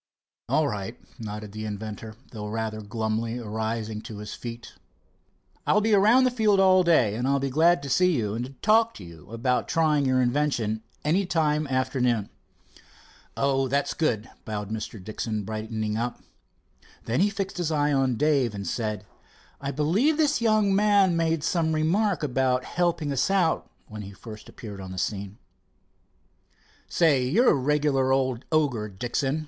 "All right," nodded the inventor, though rather glumly, arising to his feet. "I'll be around the field all day, and be glad to see you and talk to you about trying your invention any time after noon." "Oh, that's good," bowed Mr. Dixon, brightening up. Then he fixed his eye on Dave, and said: "I believe this young man made some remark about helping us out, when he first appeared on the scene." "Say, you're a regular old ogre, Dixon!"